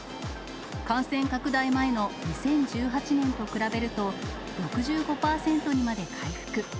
感染拡大前の２０１８年と比べると６５％にまで回復。